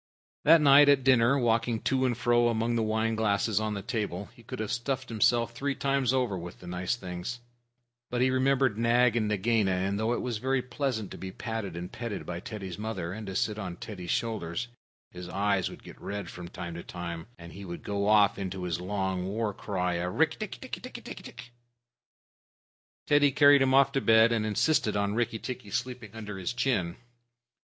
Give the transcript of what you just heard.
That night at dinner, walking to and fro among the wine glasses on the table, he might have stuffed himself three times over with nice things. But he remembered Nag and Nagaina, and though it was very pleasant to be patted and petted by Teddy's mother, and to sit on Teddy's shoulder, his eyes would get red from time to time, and he would go off into his long war cry of "Rikk tikk tikki tikki tchk!" Teddy carried him off to bed, and insisted on Rikki tikki sleeping under his chin.